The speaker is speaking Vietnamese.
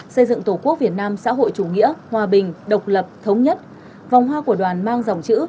xây dựng tổ quốc việt nam xã hội chủ nghĩa hòa bình độc lập thống nhất vòng hoa của đoàn mang dòng chữ